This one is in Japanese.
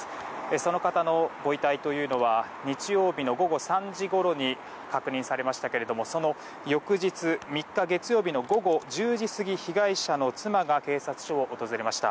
その方のご遺体は日曜日の午後３時ごろに確認されましたけれどもその翌日３日、月曜日の午後１０時過ぎ、被害者の妻が警察署を訪れました。